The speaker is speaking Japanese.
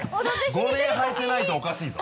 ５年履いてないとおかしいぞ。